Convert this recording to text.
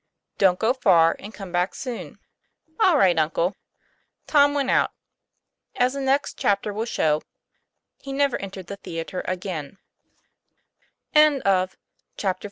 Don't go far; and come back soon." "All right, uncle." Tom went out; as the next chapter will show he never entered the theatre again, 134 TOM PLA YFAIR.